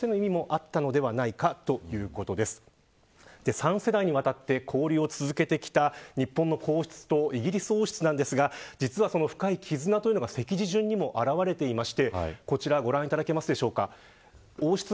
３世代にわたって交流を続けてきた日本の皇室とイギリス王室なんですが実は今回、その絆が席次の中にも表れています。